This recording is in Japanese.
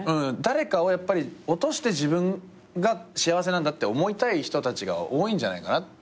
誰かをやっぱり落として自分が幸せなんだって思いたい人たちが多いんじゃないかな。